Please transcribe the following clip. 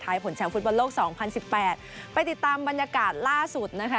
ท้ายผลแชมพ์ฟุตบันโลก๒๐๑๘ไปติดตามบรรยากาศล่าสุดนะคะ